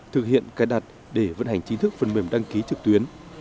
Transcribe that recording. thực hiện cài đặt để vận hành chính thức phần mềm đăng ký trực tuyến